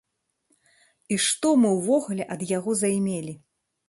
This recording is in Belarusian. І што мы ўвогуле ад яго займелі?